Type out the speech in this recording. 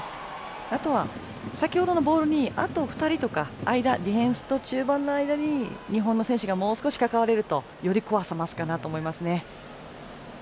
あとは、先ほどのボールにあと２人とかディフェンスと中盤の間に日本の選手がもう少し関われるとより怖さが増すかなと思います。